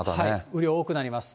雨量多くなります。